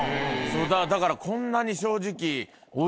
だからこんなに正直。